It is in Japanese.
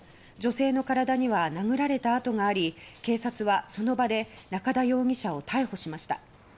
女性の体には殴られた痕があり警察は、その場で中田容疑者を逮捕しました。